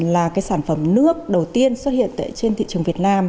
là cái sản phẩm nước đầu tiên xuất hiện tại trên thị trường việt nam